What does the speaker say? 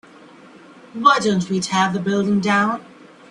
why don't we tear the building down?